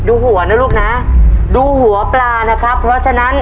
หัวนะลูกนะดูหัวปลานะครับเพราะฉะนั้น